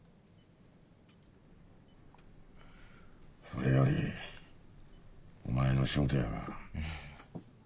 それよりお前の仕事やが。